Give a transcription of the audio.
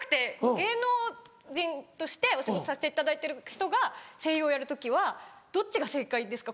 芸能人としてお仕事させていただいてる人が声優をやる時はどっちが正解ですか？